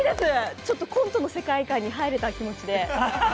ちょっとコントの世界観に入れた気持ちで。